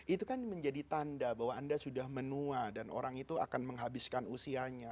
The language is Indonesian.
itu kan menjadi tanda bahwa anda sudah menua dan orang itu akan menghabiskan usianya